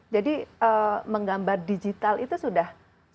jadi menggambar digital itu sudah